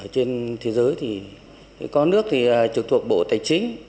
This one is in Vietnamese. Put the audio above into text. trên thế giới thì có nước thì trực thuộc bộ tài chính